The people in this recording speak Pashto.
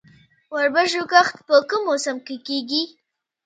د وربشو کښت په کوم موسم کې کیږي؟